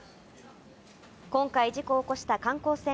今回事故を起こした観光船